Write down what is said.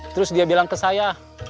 terus dia bilang ke saya